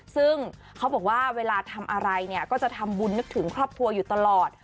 ซึ่งเขาบอกว่าเวลาทำอะไรเนี่ยก็จะทำบุญนึกถึงครอบครัวอยู่ตลอด